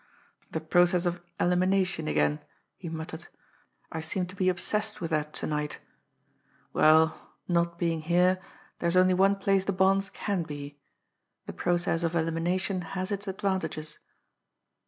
"The process of elimination again!" he muttered. "I seem to be obsessed with that to night. Well, not being here, there's only one place the bonds can be. The process of elimination has its advantages."